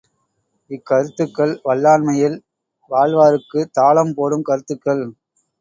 இக்கருத்துக்கள் வல்லாண்மையில் வாழ்வாருக்குத் தாளம் போடும் கருத்துக்கள்!